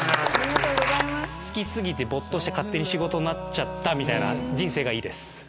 好き過ぎて没頭して勝手に仕事になっちゃったみたいな人生がいいです。